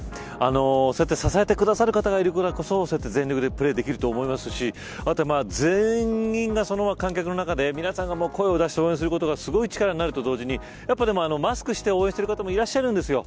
そうやって支えて下さる方がいるからこそ全力でプレーできると思いますし全員が観客の中で声を出して応援することが力になると同時にマスクをして応援する方もいらっしゃいました。